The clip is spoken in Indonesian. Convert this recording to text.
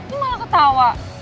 itu malah ketawa